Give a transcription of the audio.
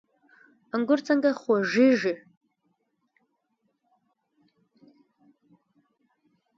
انګور څنګه خوږیږي؟